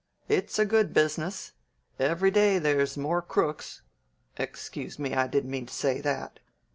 It's a good business. Every day there's more crooks excuse me, I didn't mean to say that."